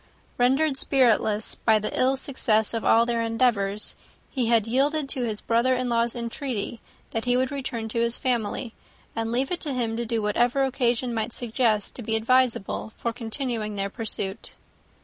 Rendered spiritless by the ill success of all their endeavours, he had yielded to his brother in law's entreaty that he would return to his family and leave it to him to do whatever occasion might suggest to be advisable for continuing their pursuit.